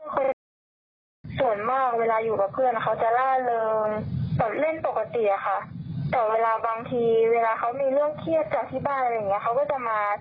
ก็มาที่โรงเรียนแล้วก็เงียบแบบนิ่มอ่ะ